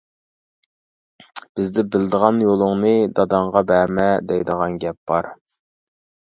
بىزدە «بىلىدىغان يولۇڭنى داداڭغا بەرمە» دەيدىغان گەپ بار.